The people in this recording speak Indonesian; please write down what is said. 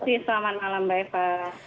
terima kasih selamat malam mbak ica